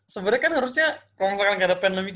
sebenernya kan harusnya kalo kita kan gak ada pandemic